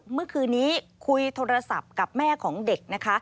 เมื่อคืนนี้คุยโทรศัพท์กับแม่ของเด็กนะคะ